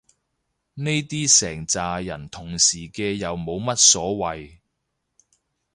呢啲成咋人同時嘅又冇乜所謂